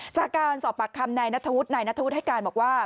จากการสอบปากคำนายนัทธวุฒินายนัทธวุฒิให้การบอกว่า